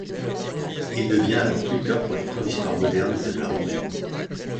Il devient alors tuteur pour les cours d'histoire moderne de la Roumanie.